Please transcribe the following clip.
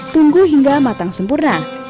tunggu hingga matang sempurna